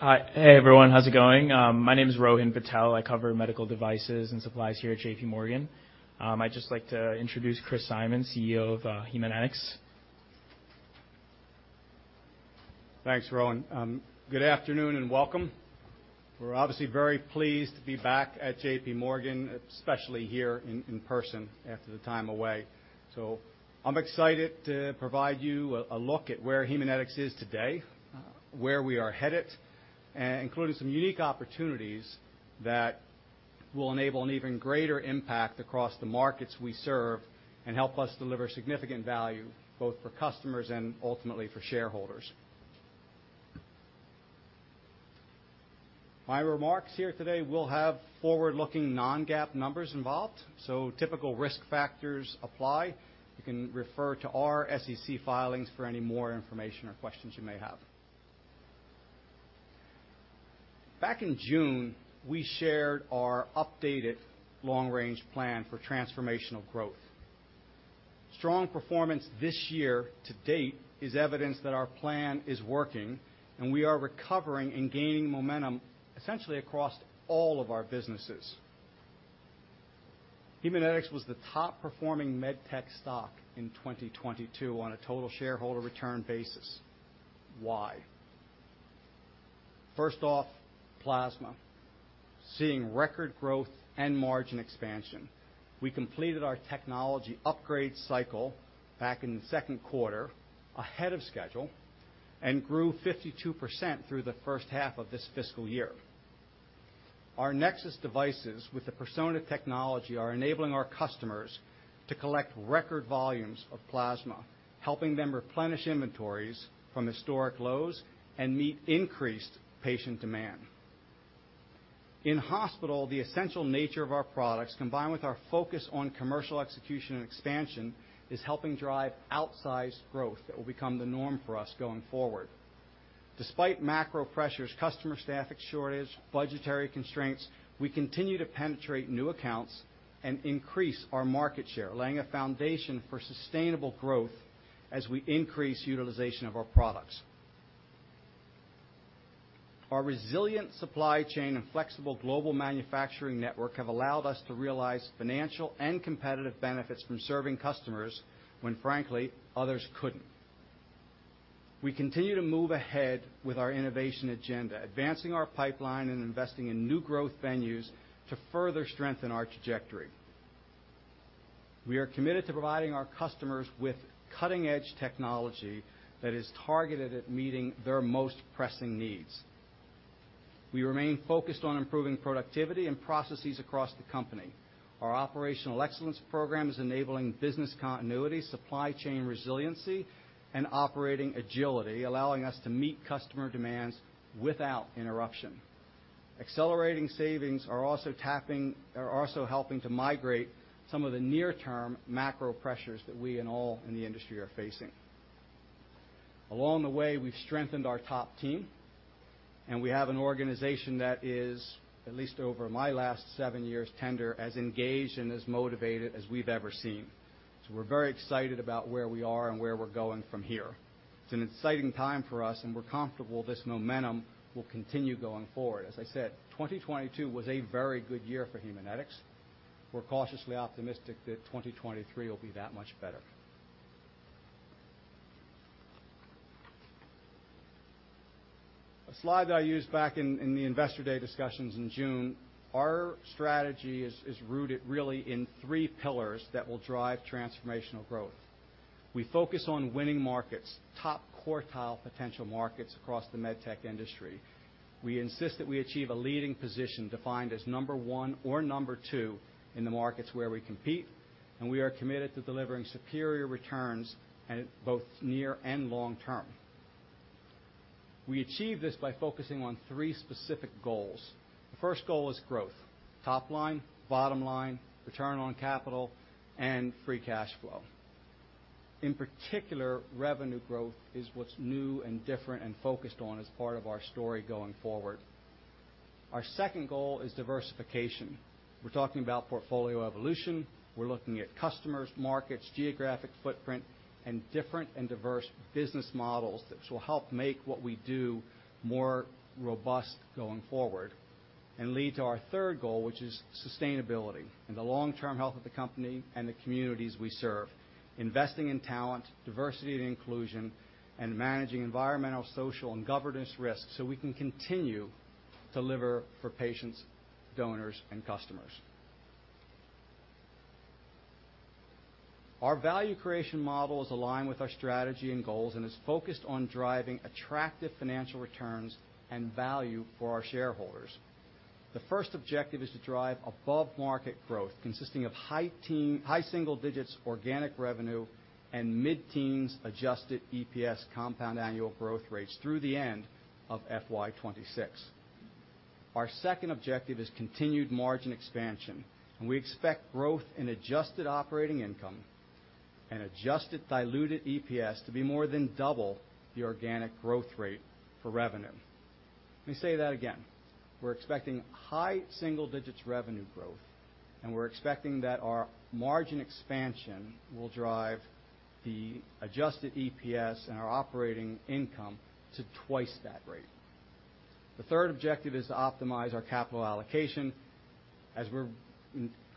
Hi. Hey, everyone. How's it going? My name is Rohan Patel. I cover medical devices and supplies here at J.P. Morgan. I'd just like to introduce Christopher Simon, CEO of Haemonetics. Thanks, Rohan. Good afternoon, and welcome. We're obviously very pleased to be back at J.P. Morgan, especially here in person after the time away. I'm excited to provide you a look at where Haemonetics is today, where we are headed, including some unique opportunities that will enable an even greater impact across the markets we serve and help us deliver significant value, both for customers and ultimately, for shareholders. My remarks here today will have forward-looking non-GAAP numbers involved, so typical risk factors apply. You can refer to our SEC filings for any more information or questions you may have. Back in June, we shared our updated long-range plan for transformational growth. Strong performance this year to date is evidence that our plan is working, and we are recovering and gaining momentum essentially across all of our businesses. Haemonetics was the top-performing MedTech stock in 2022 on a total shareholder return basis. Why? First off, plasma. Seeing record growth and margin expansion, we completed our technology upgrade cycle back in the second quarter ahead of schedule and grew 52% through the first half of this fiscal year. Our NexSys devices with the persona technology are enabling our customers to collect record volumes of plasma, helping them replenish inventories from historic lows and meet increased patient demand. In hospital, the essential nature of our products, combined with our focus on commercial execution and expansion, is helping drive outsized growth that will become the norm for us going forward. Despite macro pressures, customer staffing shortage, budgetary constraints, we continue to penetrate new accounts and increase our market share, laying a foundation for sustainable growth as we increase utilization of our products. Our resilient supply chain and flexible global manufacturing network have allowed us to realize financial and competitive benefits from serving customers when, frankly, others couldn't. We continue to move ahead with our innovation agenda, advancing our pipeline and investing in new growth venues to further strengthen our trajectory. We are committed to providing our customers with cutting-edge technology that is targeted at meeting their most pressing needs. We remain focused on improving productivity and processes across the company. Our operational excellence program is enabling business continuity, supply chain resiliency, and operating agility, allowing us to meet customer demands without interruption. Accelerating savings are also helping to migrate some of the near-term macro pressures that we and all in the industry are facing. Along the way, we've strengthened our top team, and we have an organization that is, at least over my last seven years tender, as engaged and as motivated as we've ever seen. We're very excited about where we are and where we're going from here. It's an exciting time for us, and we're comfortable this momentum will continue going forward. As I said, 2022 was a very good year for Haemonetics. We're cautiously optimistic that 2023 will be that much better. A slide that I used back in the Investor Day discussions in June, our strategy is rooted really in three pillars that will drive transformational growth. We focus on winning markets, top quartile potential markets across the MedTech industry. We insist that we achieve a leading position defined as number one or number two in the markets where we compete, we are committed to delivering superior returns at both near and long term. We achieve this by focusing on three specific goals. The first goal is growth. Top line, bottom line, return on capital, and free cash flow. In particular, revenue growth is what's new and different and focused on as part of our story going forward. Our second goal is diversification. We're talking about portfolio evolution. We're looking at customers, markets, geographic footprint, and different and diverse business models that will help make what we do more robust going forward and lead to our third goal, which is sustainability and the long-term health of the company and the communities we serve, investing in talent, diversity and inclusion, and managing environmental, social, and governance risks, so we can continue to deliver for patients, donors, and customers. Our value creation model is aligned with our strategy and goals and is focused on driving attractive financial returns and value for our shareholders. The first objective is to drive above-market growth consisting of high single digits organic revenue and mid-teens adjusted EPS compound annual growth rates through the end of FY26. Our second objective is continued margin expansion, and we expect growth in adjusted operating income and adjusted diluted EPS to be more than double the organic growth rate for revenue. Let me say that again. We're expecting high single digits revenue growth, and we're expecting that our margin expansion will drive the adjusted EPS and our operating income to twice that rate. The third objective is to optimize our capital allocation. As we're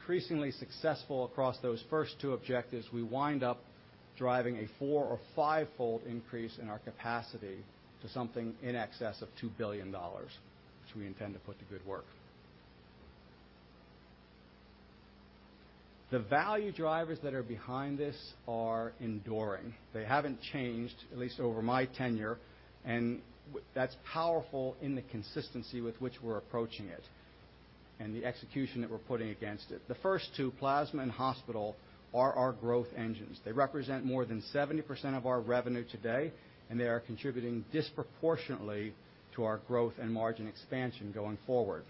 increasingly successful across those first two objectives, we wind up driving a four or five-fold increase in our capacity to something in excess of $2 billion, which we intend to put to good work. The value drivers that are behind this are enduring. They haven't changed, at least over my tenure, and that's powerful in the consistency with which we're approaching it and the execution that we're putting against it. The first two, plasma and hospital, are our growth engines. They represent more than 70% of our revenue today, and they are contributing disproportionately to our growth and margin expansion going forward.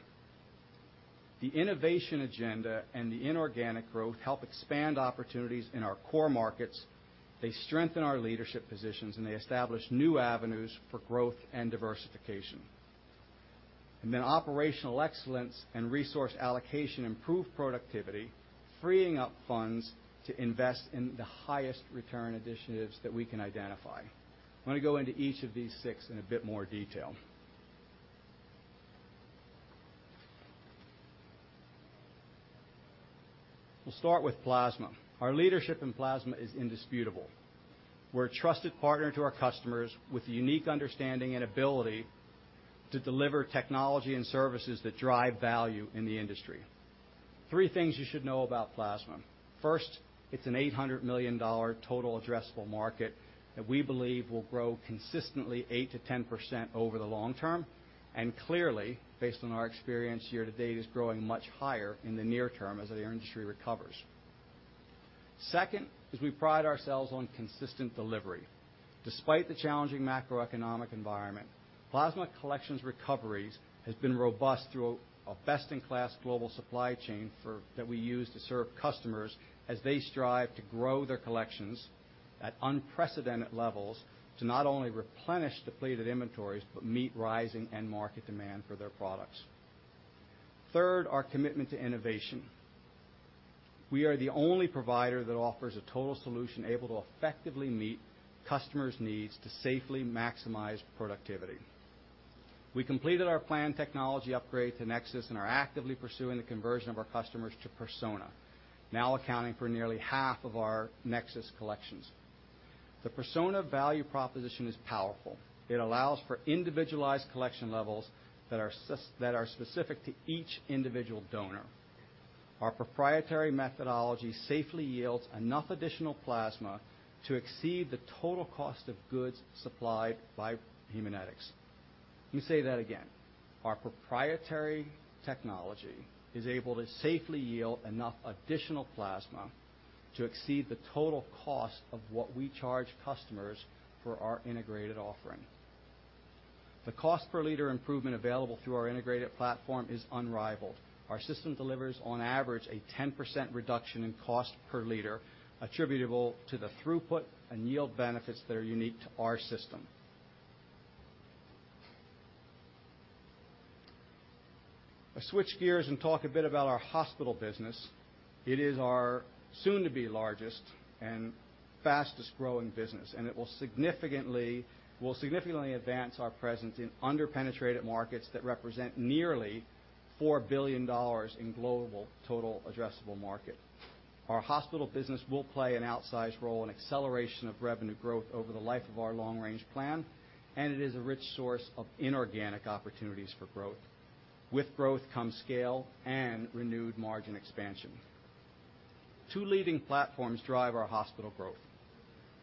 The innovation agenda and the inorganic growth help expand opportunities in our core markets. They strengthen our leadership positions, and they establish new avenues for growth and diversification. Operational excellence and resource allocation improve productivity, freeing up funds to invest in the highest return initiatives that we can identify. I'm gonna go into each of these six in a bit more detail. We'll start with plasma. Our leadership in plasma is indisputable. We're a trusted partner to our customers with a unique understanding and ability to deliver technology and services that drive value in the industry. Three things you should know about plasma. First, it's an $800 million total addressable market that we believe will grow consistently 8%-10% over the long term. Clearly, based on our experience here to date, is growing much higher in the near term as the industry recovers. Second is we pride ourselves on consistent delivery. Despite the challenging macroeconomic environment, plasma collections recoveries has been robust through a best-in-class global supply chain that we use to serve customers as they strive to grow their collections at unprecedented levels to not only replenish depleted inventories, but meet rising end market demand for their products. Third, our commitment to innovation. We are the only provider that offers a total solution able to effectively meet customers' needs to safely maximize productivity. We completed our planned technology upgrade to NexSys and are actively pursuing the conversion of our customers to Persona, now accounting for nearly half of our NexSys collections. The Persona value proposition is powerful. It allows for individualized collection levels that are specific to each individual donor. Our proprietary methodology safely yields enough additional plasma to exceed the total cost of goods supplied by Haemonetics. Let me say that again. Our proprietary technology is able to safely yield enough additional plasma to exceed the total cost of what we charge customers for our integrated offering. The cost per liter improvement available through our integrated platform is unrivaled. Our system delivers on average a 10% reduction in cost per liter attributable to the throughput and yield benefits that are unique to our system. Let's switch gears and talk a bit about our hospital business. It is our soon-to-be largest and fastest-growing business. It will significantly advance our presence in under-penetrated markets that represent nearly $4 billion in global total addressable market. Our hospital business will play an outsized role in acceleration of revenue growth over the life of our long-range plan. It is a rich source of inorganic opportunities for growth. With growth comes scale and renewed margin expansion. Two leading platforms drive our hospital growth.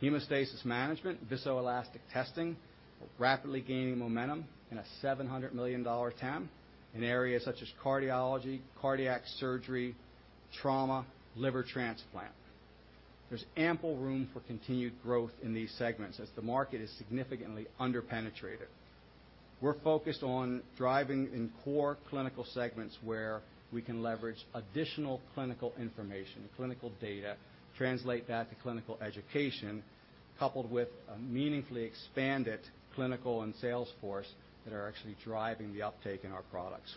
Hemostasis Management Viscoelastic testing are rapidly gaining momentum in a $700 million TAM in areas such as cardiology, cardiac surgery, trauma, liver transplant. There's ample room for continued growth in these segments as the market is significantly under-penetrated. We're focused on driving in core clinical segments where we can leverage additional clinical information, clinical data, translate that to clinical education, coupled with a meaningfully expanded clinical and sales force that are actually driving the uptake in our products.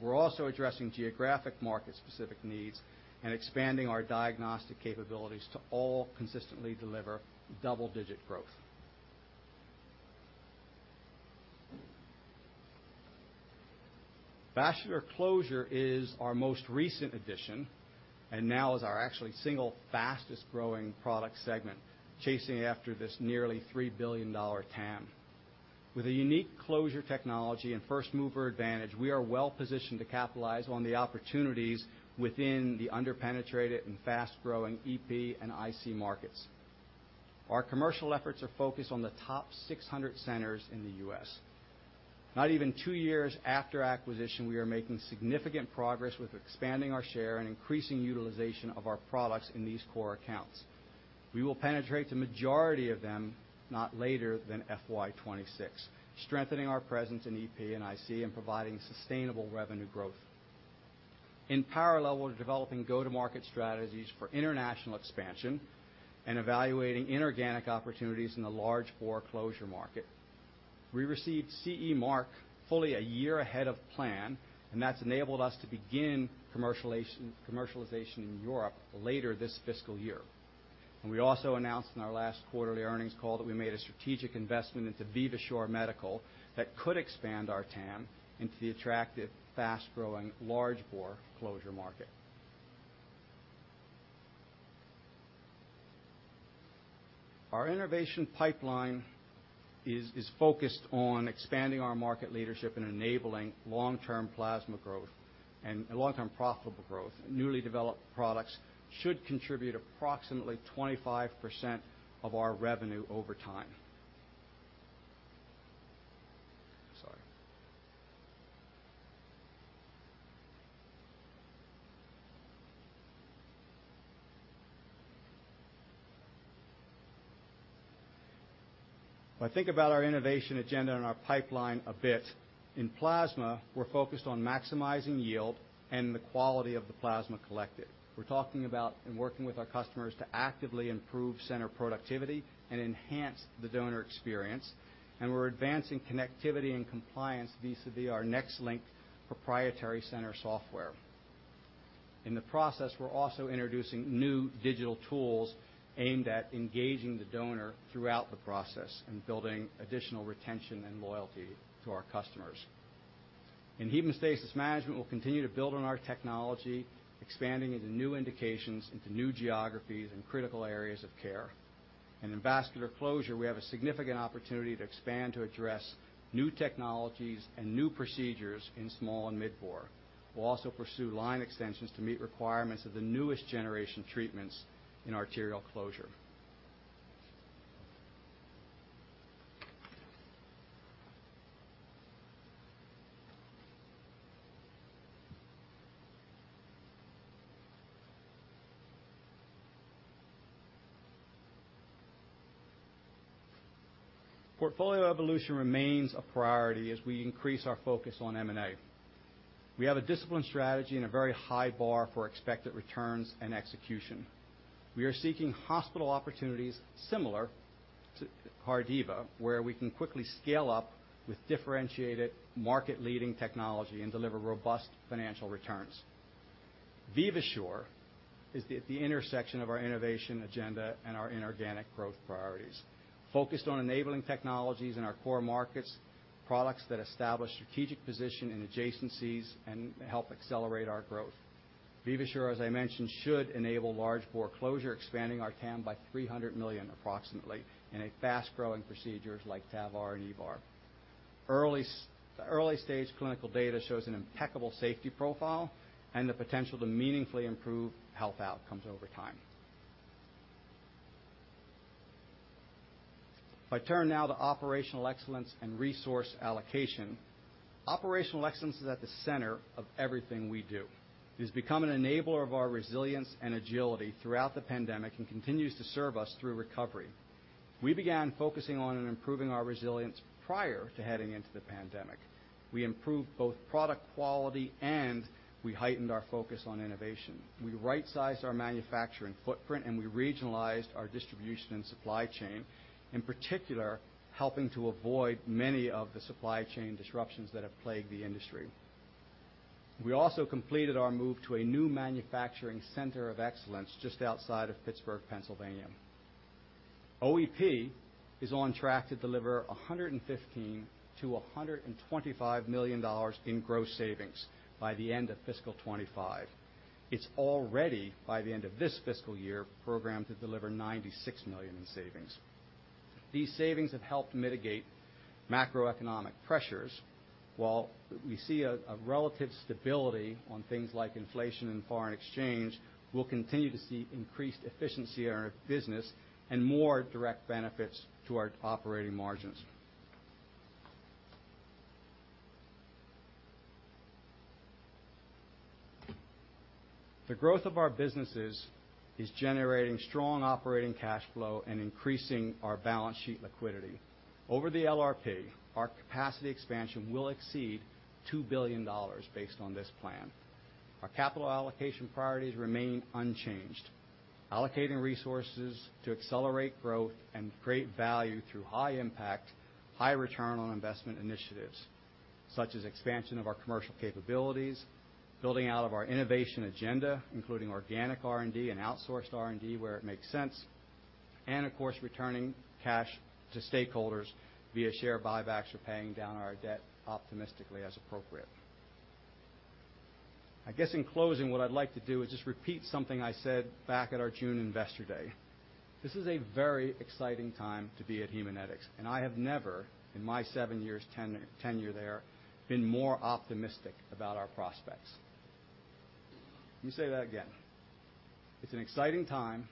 We're also addressing geographic market-specific needs and expanding our diagnostic capabilities to all consistently deliver double-digit growth. Vascular Closure is our most recent addition and now is our actually single fastest-growing product segment, chasing after this nearly $3 billion TAM. With a unique closure technology and first-mover advantage, we are well-positioned to capitalize on the opportunities within the under-penetrated and fast-growing EP and IC markets. Our commercial efforts are focused on the top 600 centers in the U.S. Not even two years after acquisition, we are making significant progress with expanding our share and increasing utilization of our products in these core accounts. We will penetrate the majority of them not later than FY 26, strengthening our presence in EP and IC and providing sustainable revenue growth. In parallel, we're developing go-to-market strategies for international expansion and evaluating inorganic opportunities in the large bore closure market. We received CE mark fully a year ahead of plan, that's enabled us to begin commercialization in Europe later this fiscal year. We also announced in our last quarterly earnings call that we made a strategic investment into Vivasure Medical that could expand our TAM into the attractive, fast-growing, large bore closure market. Our innovation pipeline is focused on expanding our market leadership and enabling long-term plasma growth and long-term profitable growth. Newly developed products should contribute approximately 25% of our revenue over time. Sorry. If I think about our innovation agenda and our pipeline a bit, in plasma, we're focused on maximizing yield and the quality of the plasma collected. We're talking about and working with our customers to actively improve center productivity and enhance the donor experience, and we're advancing connectivity and compliance vis-a-vis our NexLynk proprietary center software. In the process, we're also introducing new digital tools aimed at engaging the donor throughout the process and building additional retention and loyalty to our customers. In Hemostasis Management, we'll continue to build on our technology, expanding into new indications, into new geographies and critical areas of care. In Vascular Closure, we have a significant opportunity to expand to address new technologies and new procedures in small and mid bore. We'll also pursue line extensions to meet requirements of the newest generation treatments in arterial closure. Portfolio evolution remains a priority as we increase our focus on M&A. We have a disciplined strategy and a very high bar for expected returns and execution. We are seeking hospital opportunities similar to Cardiva, where we can quickly scale up with differentiated market-leading technology and deliver robust financial returns. Vivasure is the intersection of our innovation agenda and our inorganic growth priorities, focused on enabling technologies in our core markets, products that establish strategic position in adjacencies and help accelerate our growth. Vivasure, as I mentioned, should enable large bore closure, expanding our TAM by $300 million approximately in a fast-growing procedures like TAVR and EVAR. Early-stage clinical data shows an impeccable safety profile and the potential to meaningfully improve health outcomes over time. I turn now to operational excellence and resource allocation, operational excellence is at the center of everything we do. It has become an enabler of our resilience and agility throughout the pandemic and continues to serve us through recovery. We began focusing on and improving our resilience prior to heading into the pandemic. We improved both product quality, we heightened our focus on innovation. We right-sized our manufacturing footprint, we regionalized our distribution and supply chain, in particular, helping to avoid many of the supply chain disruptions that have plagued the industry. We also completed our move to a new manufacturing center of excellence just outside of Pittsburgh, Pennsylvania. OEP is on track to deliver $115 million-$125 million in gross savings by the end of fiscal 2025. It's already, by the end of this fiscal year, programmed to deliver $96 million in savings. These savings have helped mitigate macroeconomic pressures. While we see a relative stability on things like inflation and foreign exchange, we'll continue to see increased efficiency in our business and more direct benefits to our operating margins. The growth of our businesses is generating strong operating cash flow and increasing our balance sheet liquidity. Over the LRP, our capacity expansion will exceed $2 billion based on this plan. Our capital allocation priorities remain unchanged, allocating resources to accelerate growth and create value through high-impact, high return on investment initiatives, such as expansion of our commercial capabilities, building out of our innovation agenda, including organic R&D and outsourced R&D where it makes sense, and of course, returning cash to stakeholders via share buybacks or paying down our debt optimistically as appropriate. I guess, in closing, what I'd like to do is just repeat something I said back at our June Investor Day. This is a very exciting time to be at Haemonetics, and I have never, in my seven years tenure there, been more optimistic about our prospects. Let me say that again. It's an exciting time,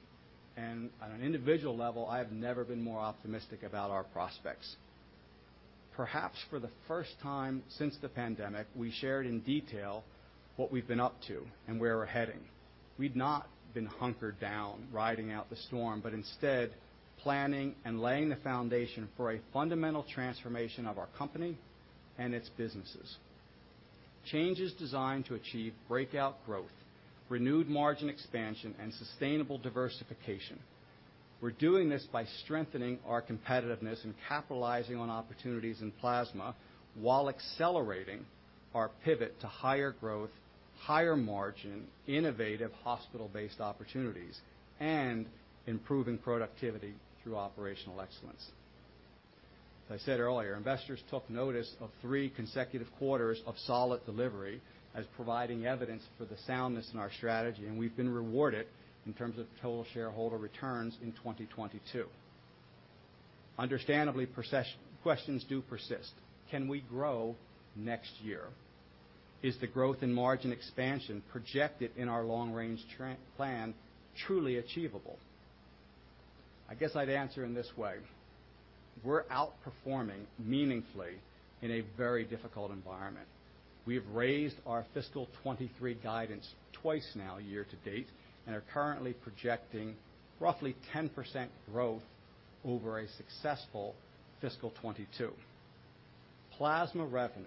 and on an individual level, I have never been more optimistic about our prospects. Perhaps for the first time since the pandemic, we shared in detail what we've been up to and where we're heading. We've not been hunkered down riding out the storm, but instead, planning and laying the foundation for a fundamental transformation of our company and its businesses. Change is designed to achieve breakout growth, renewed margin expansion, and sustainable diversification. We're doing this by strengthening our competitiveness and capitalizing on opportunities in plasma while accelerating our pivot to higher growth, higher margin, innovative hospital-based opportunities and improving productivity through operational excellence. As I said earlier, investors took notice of three consecutive quarters of solid delivery as providing evidence for the soundness in our strategy. We've been rewarded in terms of total shareholder returns in 2022. Understandably, questions do persist. Can we grow next year? Is the growth in margin expansion projected in our long-range plan truly achievable? I guess I'd answer in this way: We're outperforming meaningfully in a very difficult environment. We have raised our FY23 guidance twice now year to date. Are currently projecting roughly 10% growth over a successful FY22. Plasma revenue,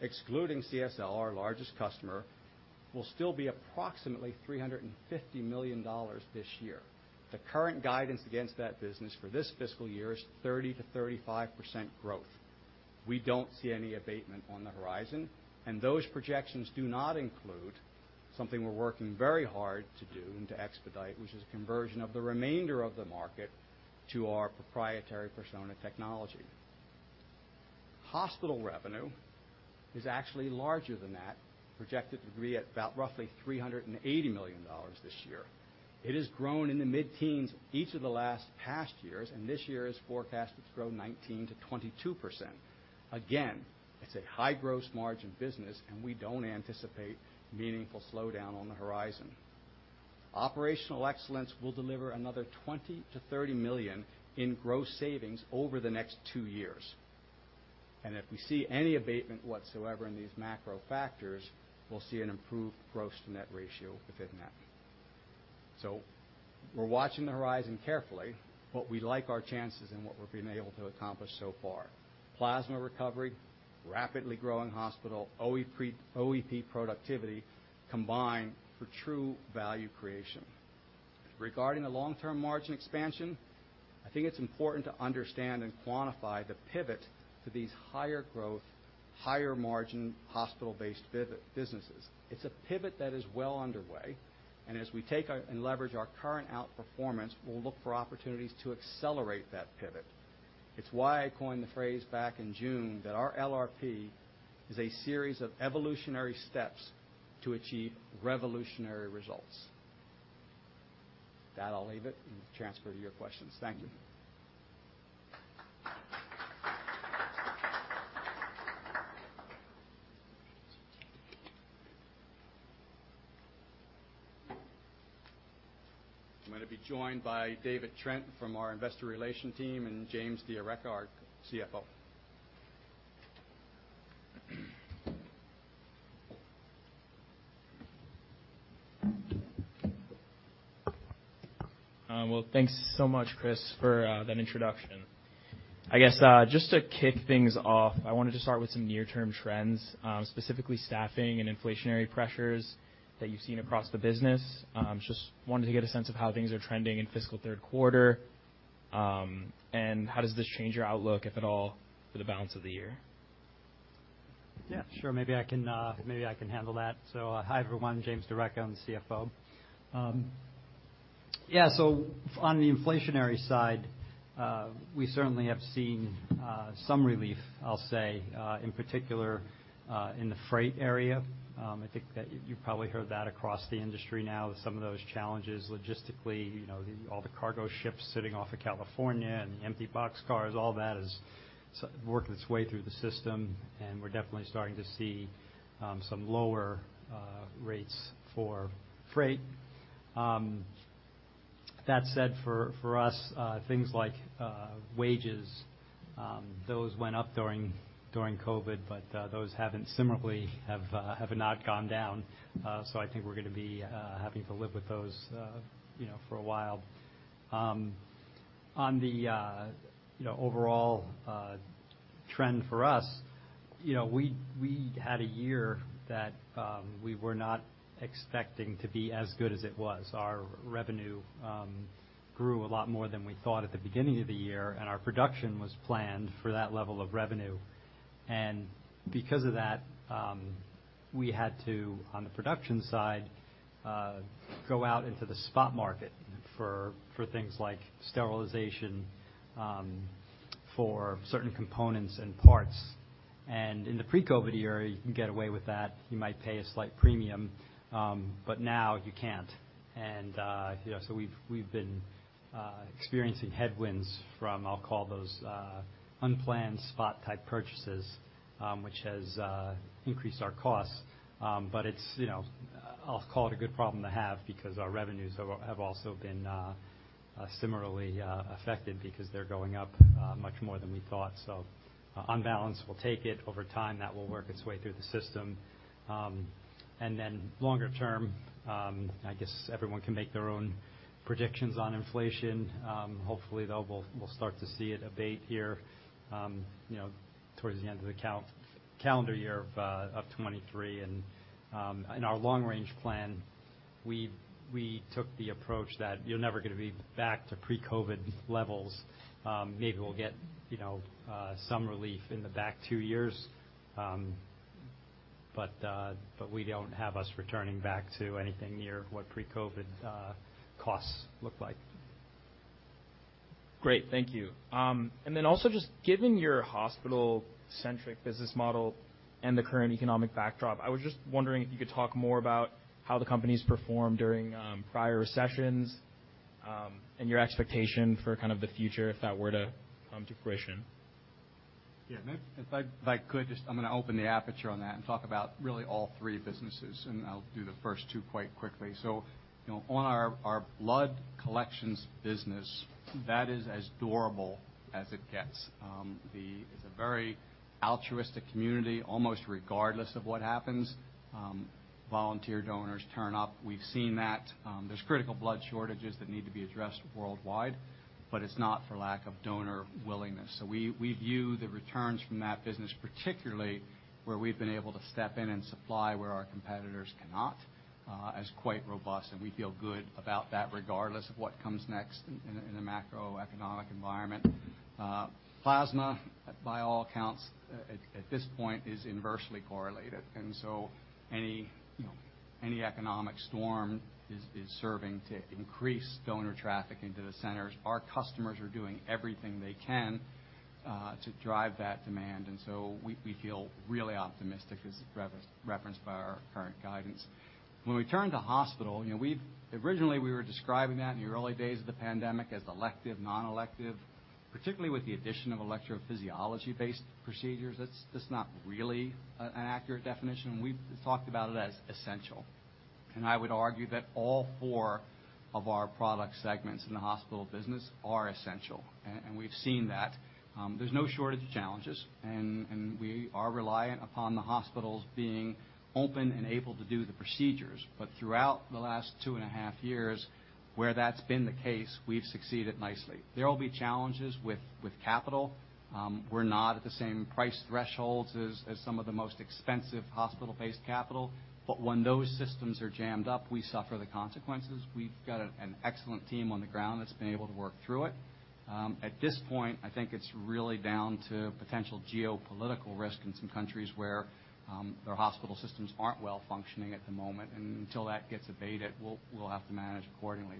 excluding CSL, our largest customer, will still be approximately $350 million this year. The current guidance against that business for this fiscal year is 30%-35% growth. We don't see any abatement on the horizon. Those projections do not include something we're working very hard to do and to expedite, which is conversion of the remainder of the market to our proprietary Persona technology. Hospital revenue is actually larger than that, projected to be at about roughly $380 million this year. It has grown in the mid-teens each of the last past years, and this year is forecasted to grow 19%-22%. Again, it's a high gross margin business, and we don't anticipate meaningful slowdown on the horizon. Operational excellence will deliver another $20 million-$30 million in gross savings over the next two years. If we see any abatement whatsoever in these macro factors, we'll see an improved gross to net ratio within that. We're watching the horizon carefully, but we like our chances in what we've been able to accomplish so far. Plasma recovery, rapidly growing hospital, OEP productivity combine for true value creation. Regarding the long-term margin expansion, I think it's important to understand and quantify the pivot to these higher growth, higher margin hospital-based businesses. It's a pivot that is well underway, and as we leverage our current outperformance, we'll look for opportunities to accelerate that pivot. It's why I coined the phrase back in June that our LRP is a series of evolutionary steps to achieve revolutionary results. With that, I'll leave it and transfer to your questions. Thank you. I'm gonna be joined by David Trenk from our Investor Relation team and James D'Arecca, our CFO. Well, thanks so much, Chris, for that introduction. I guess, just to kick things off, I wanted to start with some near-term trends, specifically staffing and inflationary pressures that you've seen across the business. Just wanted to get a sense of how things are trending in fiscal third quarter, and how does this change your outlook, if at all, for the balance of the year? Yeah, sure. Maybe I can, maybe I can handle that. Hi, everyone. James D'Arecca, I'm the CFO. Yeah, on the inflationary side, we certainly have seen some relief, I'll say, in particular, in the freight area. I think that you've probably heard that across the industry now with some of those challenges logistically, you know, all the cargo ships sitting off of California and the empty box cars, all that is working its way through the system, and we're definitely starting to see some lower rates for freight. That said, for us, things like wages, those went up during COVID, those haven't similarly have not gone down. I think we're gonna be having to live with those, you know, for a while. On the, you know, overall, trend for us, you know, we had a year that we were not expecting to be as good as it was. Our revenue grew a lot more than we thought at the beginning of the year, and our production was planned for that level of revenue. Because of that, we had to, on the production side, go out into the spot market for things like sterilization, for certain components and parts. In the pre-COVID era, you can get away with that. You might pay a slight premium, but now you can't. You know, we've been experiencing headwinds from, I'll call those, unplanned spot-type purchases, which has increased our costs. It's, you know, I'll call it a good problem to have because our revenues have also been similarly affected because they're going up much more than we thought. On balance, we'll take it. Over time, that will work its way through the system. Then longer term, I guess everyone can make their own predictions on inflation. Hopefully, though, we'll start to see it abate here, you know, towards the end of the calendar year of 2023. In our long-range plan we took the approach that you're never gonna be back to pre-COVID levels. Maybe we'll get, you know, some relief in the back two years. We don't have us returning back to anything near what pre-COVID costs looked like. Great. Thank you. Then also just given your hospital-centric business model and the current economic backdrop, I was just wondering if you could talk more about how the company's performed during, prior recessions, and your expectation for kind of the future if that were to come to fruition? Yeah. If I could just open the aperture on that and talk about really all three businesses, and I'll do the first two quite quickly. You know, on our blood collections business, that is as durable as it gets. It's a very altruistic community, almost regardless of what happens. Volunteer donors turn up. We've seen that there's critical blood shortages that need to be addressed worldwide, but it's not for lack of donor willingness. We view the returns from that business, particularly where we've been able to step in and supply where our competitors cannot, as quite robust, and we feel good about that regardless of what comes next in a macroeconomic environment. Plasma, by all accounts, at this point, is inversely correlated. Any, you know, any economic storm is serving to increase donor traffic into the centers. Our customers are doing everything they can to drive that demand. We feel really optimistic, as referenced by our current guidance. When we turn to hospital, you know, originally, we were describing that in the early days of the pandemic as elective, non-elective, particularly with the addition of electrophysiology-based procedures. That's not really an accurate definition. We've talked about it as essential. I would argue that all four of our product segments in the hospital business are essential, and we've seen that. There's no shortage of challenges, and we are reliant upon the hospitals being open and able to do the procedures. Throughout the last two point five years, where that's been the case, we've succeeded nicely. There will be challenges with capital. We're not at the same price thresholds as some of the most expensive hospital-based capital, but when those systems are jammed up, we suffer the consequences. We've got an excellent team on the ground that's been able to work through it. At this point, I think it's really down to potential geopolitical risk in some countries where their hospital systems aren't well functioning at the moment. Until that gets abated, we'll have to manage accordingly.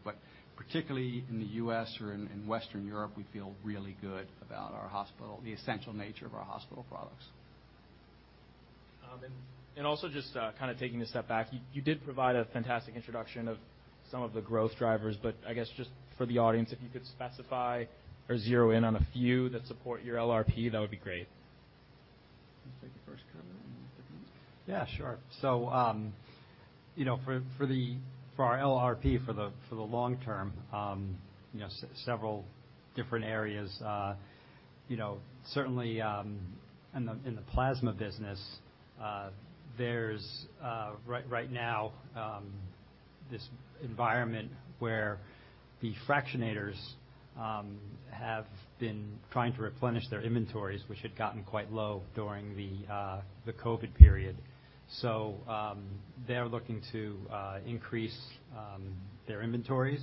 Particularly in the U.S. or in Western Europe, we feel really good about our hospital, the essential nature of our hospital products. Also just, kind of taking a step back, you did provide a fantastic introduction of some of the growth drivers, but I guess just for the audience, if you could specify or zero in on a few that support your LRP, that would be great. You wanna take the first cut on that one, James? Yeah, sure. For our LRP, for the long term, several different areas. Certainly, in the plasma business, there's right now this environment where the fractionators have been trying to replenish their inventories, which had gotten quite low during the COVID period. They're looking to increase their inventories,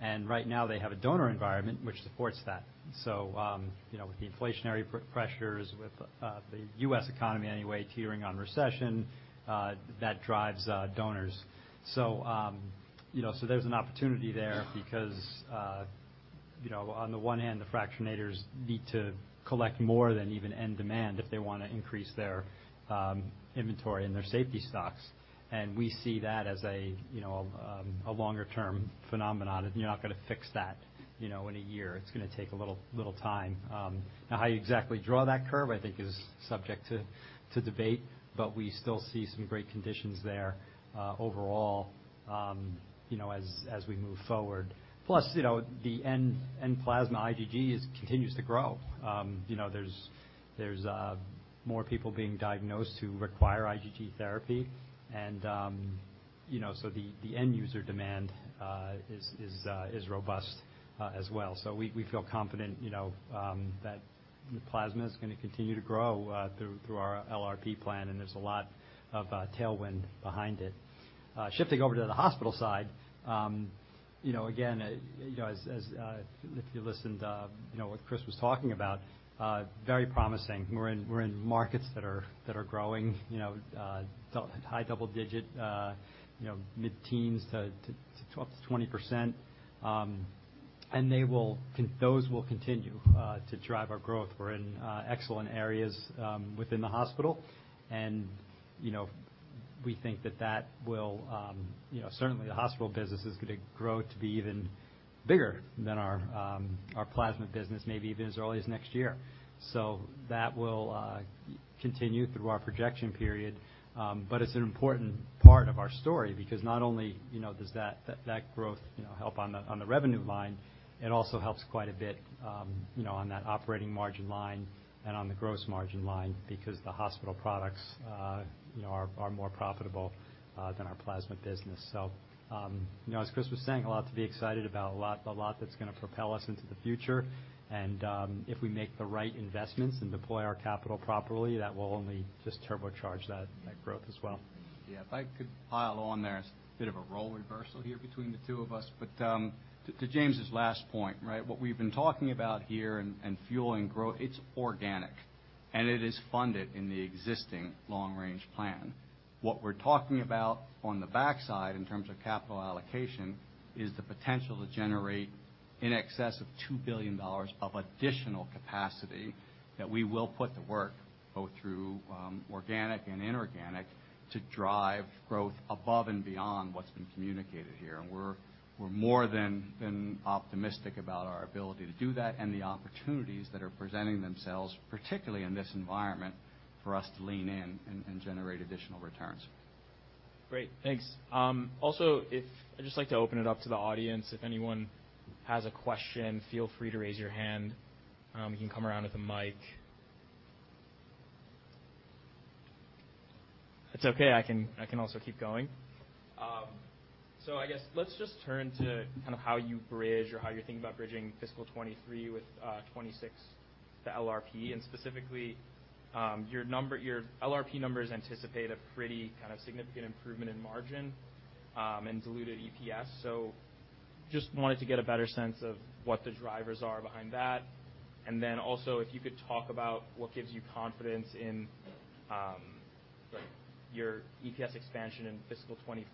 and right now they have a donor environment which supports that. With the inflationary pressures, with the U.S. economy anyway teetering on recession, that drives donors. There's an opportunity there because on the one hand, the fractionators need to collect more than even end demand if they wanna increase their inventory and their safety stocks. we see that as a, you know, a longer term phenomenon. You're not gonna fix that, you know, in a year. It's gonna take a little time. now how you exactly draw that curve I think is subject to debate, but we still see some great conditions there, overall, you know, as we move forward. Plus, you know, the end Plasma IgG continues to grow. you know, there's more people being diagnosed who require IgG therapy, and, you know, so the end user demand is robust as well. we feel confident, you know, that plasma is gonna continue to grow through our LRP plan, and there's a lot of tailwind behind it. Shifting over to the hospital side, you know, again, you know, as, if you listened, you know, what Chris was talking about, very promising. We're in markets that are growing, you know, high double digit, you know, mid-teens up to 20%. Those will continue to drive our growth. We're in excellent areas within the hospital, and, you know, we think that that will, you know, certainly the hospital business is gonna grow to be even bigger than our plasma business, maybe even as early as next year. That will continue through our projection period. It's an important part of our story because not only, you know, does that growth, you know, help on the revenue line, it also helps quite a bit, you know, on that operating margin line and on the gross margin line because the hospital products, you know, are more profitable than our plasma business. You know, as Chris was saying, a lot to be excited about, a lot that's gonna propel us into the future. If we make the right investments and deploy our capital properly, that will only just turbocharge that growth as well. Yeah. If I could pile on there, it's a bit of a role reversal here between the two of us. To James last point, right. What we've been talking about here and fueling growth, it's organic. It is funded in the existing long-range plan. What we're talking about on the backside in terms of capital allocation is the potential to generate in excess of $2 billion of additional capacity that we will put to work, both through organic and inorganic, to drive growth above and beyond what's been communicated here. We're more than optimistic about our ability to do that and the opportunities that are presenting themselves, particularly in this environment, for us to lean in and generate additional returns. Great. Thanks. Also, I'd just like to open it up to the audience. If anyone has a question, feel free to raise your hand. We can come around with a mic. It's okay. I can also keep going. I guess let's just turn to kind of how you bridge or how you're thinking about bridging FY23 with FY26, the LRP. Specifically, your LRP numbers anticipate a pretty kind of significant improvement in margin and diluted EPS. Just wanted to get a better sense of what the drivers are behind that. Also, if you could talk about what gives you confidence in your EPS expansion in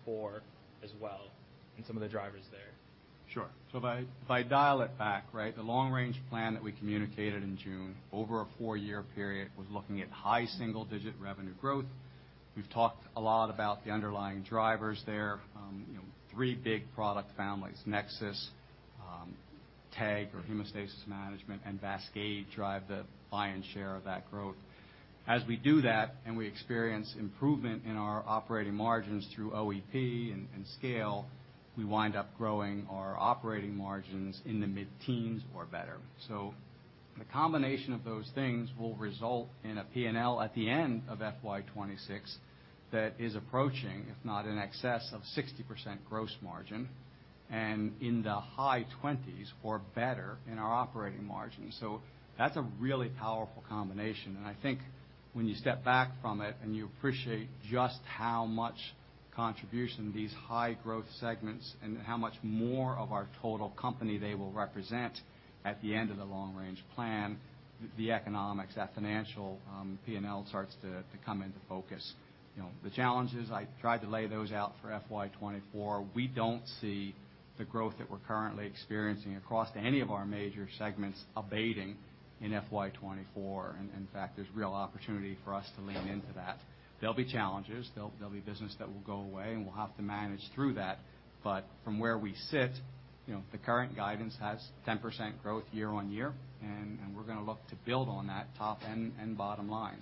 FY24 as well and some of the drivers there. Sure. If I, if I dial it back, right? The long-range plan that we communicated in June over a four-year period was looking at high single-digit revenue growth. We've talked a lot about the underlying drivers there. You know, three big product families, NexSys, TEG or Hemostasis Management, and VASCADE drive the lion's share of that growth. As we do that and we experience improvement in our operating margins through OEP and scale, we wind up growing our operating margins in the mid-teens or better. The combination of those things will result in a P&L at the end of FY26 that is approaching, if not in excess of 60% gross margin and in the high 20s or better in our operating margin. That's a really powerful combination, I think when you step back from it and you appreciate just how much contribution these high growth segments and how much more of our total company they will represent at the end of the long-range plan, the economics, that financial P&L starts to come into focus. You know, the challenges, I tried to lay those out for FY24. We don't see the growth that we're currently experiencing across any of our major segments abating in FY24, In fact, there's real opportunity for us to lean into that. There'll be challenges, there'll be business that will go away, and we'll have to manage through that. From where we sit, you know, the current guidance has 10% growth year-over-year, and we're gonna look to build on that top and bottom line.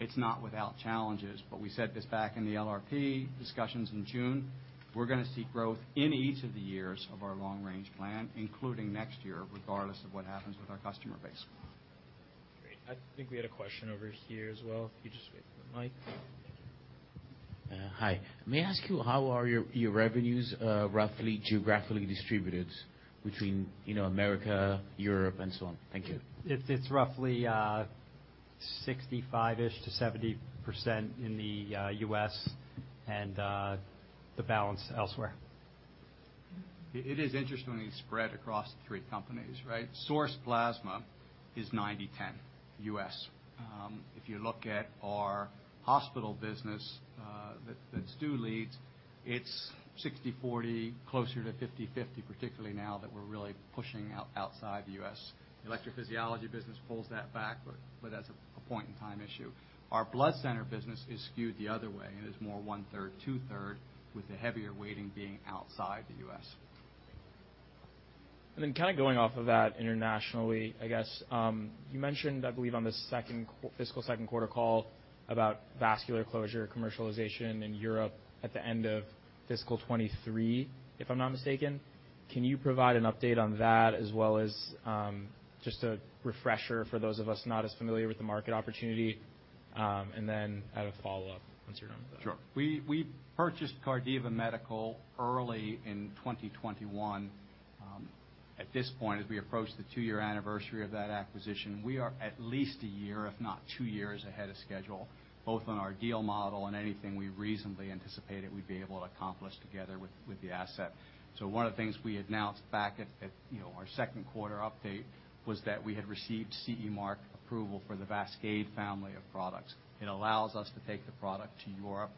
It's not without challenges, but we said this back in the LRP discussions in June, we're gonna seek growth in each of the years of our long-range plan, including next year, regardless of what happens with our customer base. Great. I think we had a question over here as well, if you just wait for the mic. Hi. May I ask you, how are your revenues, roughly geographically distributed between, you know, America, Europe, and so on? Thank you. It's roughly, 65-ish%-70% in the U.S. and the balance elsewhere. It is interestingly spread across the three companies, right? Source Plasma is 90/10 U.S. If you look at our hospital business, that Stu Leads, it's 60/40, closer to 50/50, particularly now that we're really pushing outside the U.S. Electrophysiology business pulls that back, but that's a point-in-time issue. Our blood center business is skewed the other way, and it's more 1/3, 2/3, with the heavier weighting being outside the U.S. Kind of going off of that internationally, I guess, you mentioned, I believe, on the second fiscal second quarter call about Vascular closure commercialization in Europe at the end of fiscal '23, if I'm not mistaken. Can you provide an update on that as well as, just a refresher for those of us not as familiar with the market opportunity? I have a follow-up once you're done with that. Sure. We purchased Cardiva Medical early in 2021. At this point, as we approach the two-year anniversary of that acquisition, we are at least a year, if not two years, ahead of schedule, both on our deal model and anything we reasonably anticipated we'd be able to accomplish together with the asset. One of the things we announced back at, you know, our second quarter update was that we had received CE mark approval for the VASCADE family of products. It allows us to take the product to Europe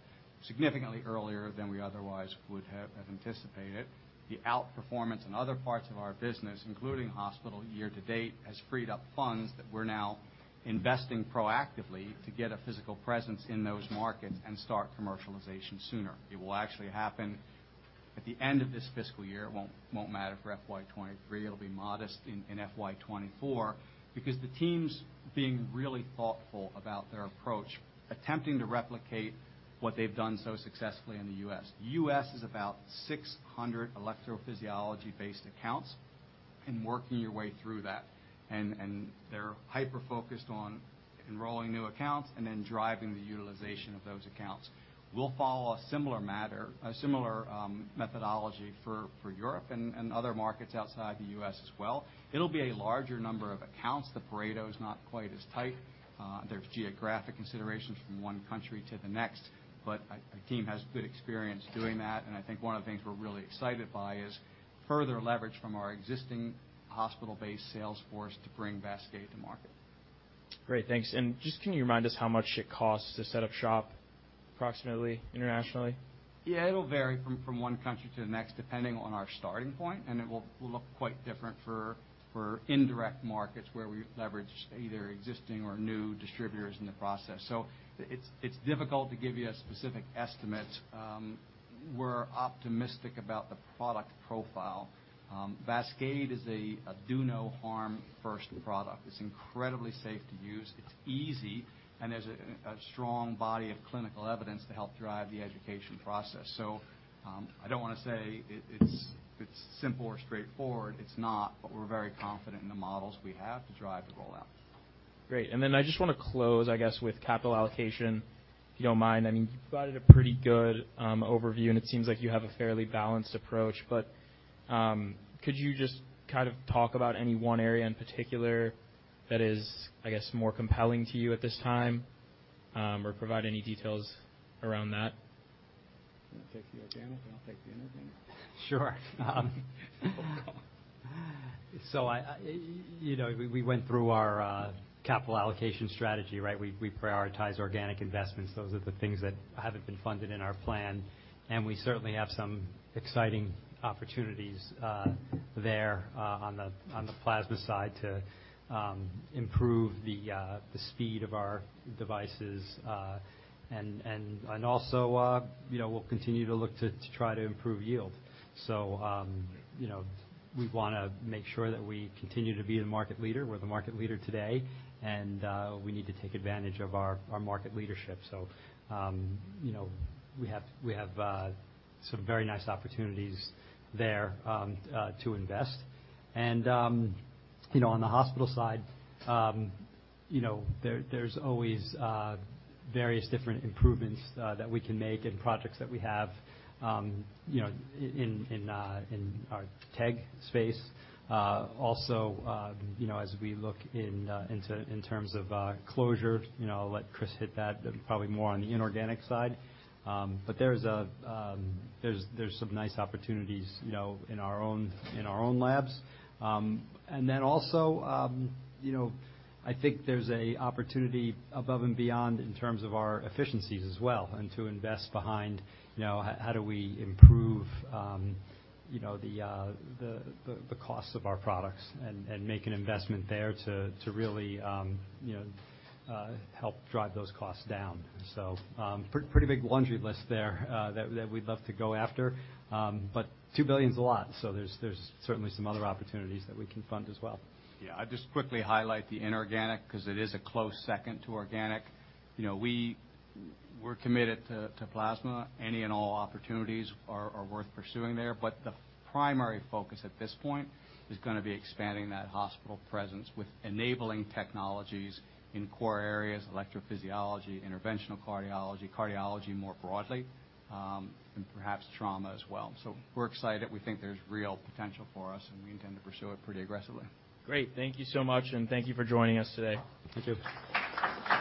significantly earlier than we otherwise would have anticipated. The outperformance in other parts of our business, including hospital year to date, has freed up funds that we're now investing proactively to get a physical presence in those markets and start commercialization sooner. It will actually happen at the end of this fiscal year. It won't matter for FY23. It'll be modest in FY24 because the team's being really thoughtful about their approach, attempting to replicate what they've done so successfully in the U.S. is about 600 electrophysiology-based accounts and working your way through that. They're hyper-focused on enrolling new accounts and then driving the utilization of those accounts. We'll follow a similar methodology for Europe and other markets outside the U.S. as well. It'll be a larger number of accounts. The Pareto is not quite as tight. There's geographic considerations from one country to the next, but our team has good experience doing that, and I think one of the things we're really excited by is further leverage from our existing hospital-based sales force to bring VASCADE to market. Great. Thanks. Just can you remind us how much it costs to set up shop approximately internationally? It'll vary from one country to the next, depending on our starting point, and it will look quite different for indirect markets where we leverage either existing or new distributors in the process. It's difficult to give you a specific estimate. We're optimistic about the product profile. VASCADE is a do no harm first product. It's incredibly safe to use, it's easy, and there's a strong body of clinical evidence to help drive the education process. I don't wanna say it's simple or straightforward, it's not. We're very confident in the models we have to drive the rollout. Great. I just wanna close, I guess, with capital allocation, if you don't mind. I mean, you provided a pretty good overview, and it seems like you have a fairly balanced approach. Could you just kind of talk about any one area in particular that is, I guess, more compelling to you at this time, or provide any details around that? You wanna take the organic, and I'll take the inorganic? Sure. I... You know, we went through our capital allocation strategy, right. We prioritize organic investments. Those are the things that haven't been funded in our plan, and we certainly have some exciting opportunities there on the plasma side to improve the speed of our devices. Also, you know, we'll continue to look to try to improve yield. You know, we wanna make sure that we continue to be the market leader. We're the market leader today, and we need to take advantage of our market leadership. You know, we have some very nice opportunities there to invest. You know, on the hospital side, you know, there's always various different improvements that we can make and projects that we have, you know, in our TEG Space. Also, you know, as we look into in terms of closure, you know, I'll let Chris hit that probably more on the inorganic side. There's some nice opportunities, you know, in our own labs. Also, you know, I think there's a opportunity above and beyond in terms of our efficiencies as well and to invest behind, you know, how do we improve, you know, the costs of our products and make an investment there to really, you know, help drive those costs down. Pretty big laundry list there, that we'd love to go after. $2 billion's a lot, there's certainly some other opportunities that we can fund as well. Yeah. I'll just quickly highlight the inorganic 'cause it is a close second to organic. You know, we're committed to plasma. Any and all opportunities are worth pursuing there. The primary focus at this point is gonna be expanding that hospital presence with enabling technologies in core areas, electrophysiology, interventional cardiology more broadly, and perhaps trauma as well. We're excited. We think there's real potential for us, and we intend to pursue it pretty aggressively. Great. Thank you so much, and thank you for joining us today. Thank you.